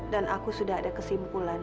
dan aku sudah ada kesimpulan